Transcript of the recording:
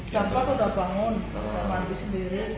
jampang sudah bangun mandi sendiri